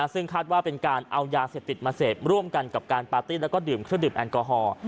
ซึ่งคาดว่าเป็นการเอายาเสพติดมาเสพร่วมกันกับการปาร์ตี้แล้วก็ดื่มเครื่องดื่มแอลกอฮอล์